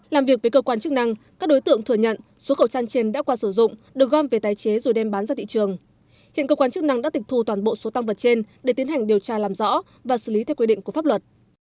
làm việc với cơ quan chức năng các đối tượng thừa nhận số khẩu trang trên đã qua sử dụng được gom về tái chế rồi đem bán ra thị trường hiện cơ quan chức năng đã tịch thu toàn bộ số tăng vật trên để tiến hành điều tra làm rõ và xử lý theo quy định của pháp luật